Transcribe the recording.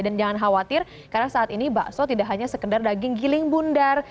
dan jangan khawatir karena saat ini bakso tidak hanya sekedar daging giling bundar